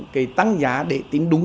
cái tăng giá để tìm đúng